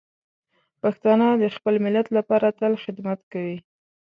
پښتانه د خپل ملت لپاره تل خدمت کوي.